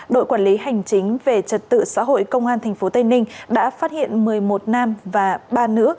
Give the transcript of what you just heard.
đội quản lý hành chính về trật tự xã hội công an tp tây ninh đã phát hiện một mươi một nam và ba nữ